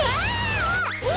うわ！